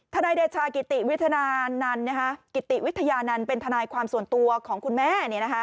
ธนายเดชากิติวิทยานันต์เป็นธนายความส่วนตัวของคุณแม่